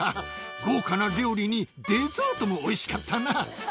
豪華な料理に、デザートもおいしかったな。